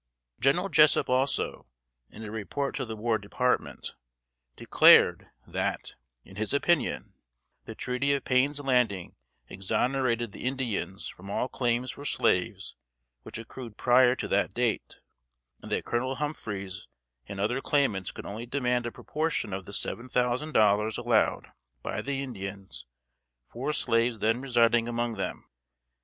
General Jessup also, in a report to the War Department, declared, that, in his opinion, the treaty of Payne's Landing exonerated the Indians from all claims for slaves which accrued prior to that date, and that Colonel Humphreys and other claimants could only demand a proportion of the seven thousand dollars allowed by the Indians for slaves then residing among them.